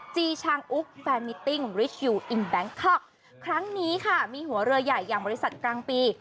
จีชางอุ๊กแฟนมิตติ้งริชคิวอินแบงคอกครั้งนี้ค่ะมีหัวเรือใหญ่อย่างบริษัทกลางปี